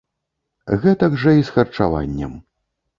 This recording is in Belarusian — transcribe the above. Гэтак жа і з харчаваннем.